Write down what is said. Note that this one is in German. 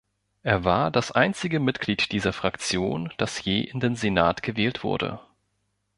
Er war das einzige Mitglied dieser Fraktion, das je in den Senat gewählt wurde.